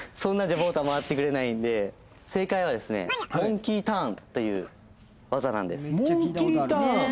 ボートは回ってくれないので正解はですね、モンキーターンという技なんです。